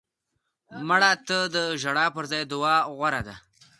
مړه ته د ژړا پر ځای دعا غوره ده